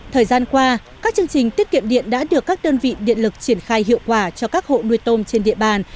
thời gian qua các chương trình tiết kiệm điện đã được các đơn vị điện lực triển khai hiệu quả cho các hộ nuôi tôm trên địa bàn